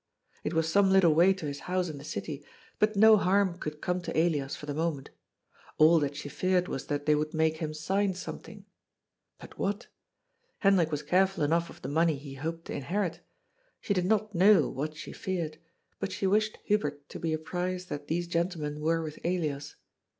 It was some little way to his house in the city, but no harm* could come to Elias for the mo ment. All that she feared was that they would make him sign something — ^but what? Hendrik was careful enough of the money he hoped to inherit. She did not know what she feared, but she wished Hubert to be apprised that these gentlemen were with Elias.